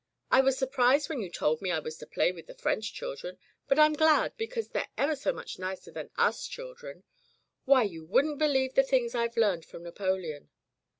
I was surprised when you told me I was to play with the French chil dren, but Fm glad, because they're ever so much nicer than us children. Why you wouldn't believe the things I've learned from Napoleon!"